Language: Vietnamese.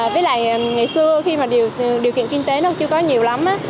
với lại ngày xưa khi mà điều kiện kinh tế nó chưa có nhiều lắm